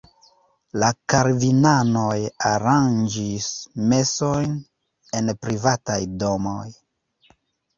La kalvinanoj aranĝis mesojn en privataj domoj.